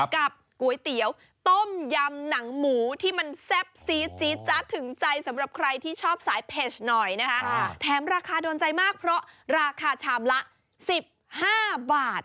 กับก๋วยเตี๋ยวต้มยำหนังหมูที่มันแซ่บซีดจี๊ดจ๊ะถึงใจสำหรับใครที่ชอบสายเผ็ดหน่อยนะคะแถมราคาโดนใจมากเพราะราคาชามละ๑๕บาท